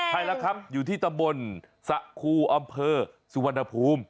ใช่แล้วครับอยู่ที่ตำบลสะครูอำเภอสุวรรณภูมิ